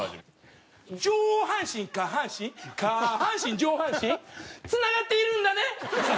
上半身下半身下半身上半身つながっているんだね！